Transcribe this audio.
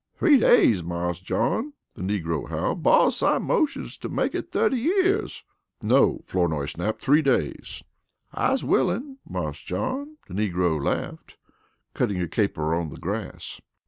"Three days, Marse John!" the negro howled. "Boss, I motions to make it thurty years!" "No!" Flournoy snapped. "Three days!" "I's willin', Marse John," the negro laughed, cutting a caper on the grass.